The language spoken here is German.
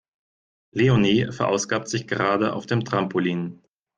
Leonie verausgabt sich gerade auf dem Trampolin.